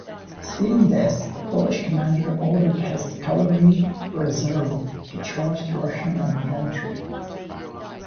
Seeing this, the Polish commander ordered his cavalry reserve to charge the Russian infantry.